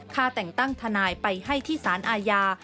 แต่งตั้งทนายไปให้ที่สารอาญา